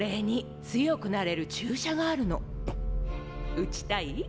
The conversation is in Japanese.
打ちたい？